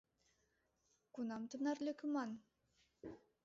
Кунам тынар лӧкыман?